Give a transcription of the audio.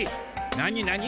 なになに？